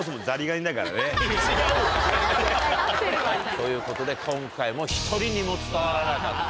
合ってるわじゃあ。ということで今回も１人にも伝わらなかった。